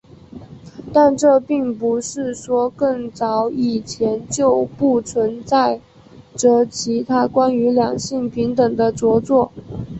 但这并不是说更早以前就不存在着其他关于两性平等的着作。